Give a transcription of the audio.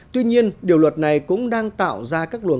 tuy nhiên điều luật này cũng đang tạo ra các luận âm